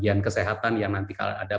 bagian kesehatan yang nanti kalau ada